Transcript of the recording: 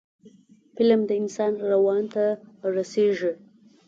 فلم د انسان روان ته رسیږي